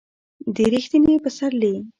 د ر یښتني پسرلي